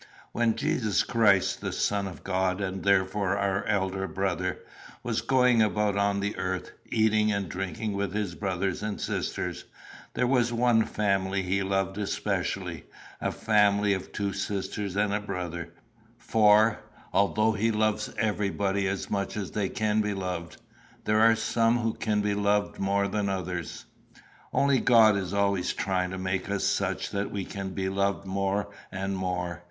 "When Jesus Christ, the Son of God, and therefore our elder brother, was going about on the earth, eating and drinking with his brothers and sisters, there was one family he loved especially a family of two sisters and a brother; for, although he loves everybody as much as they can be loved, there are some who can be loved more than others. Only God is always trying to make us such that we can be loved more and more.